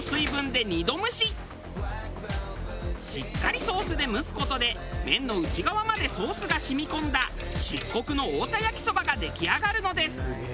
しっかりソースで蒸す事で麺の内側までソースが染み込んだ漆黒の太田焼きそばが出来上がるのです。